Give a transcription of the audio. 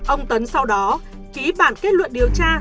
ông tấn sau đó ký bản kết luận điều tra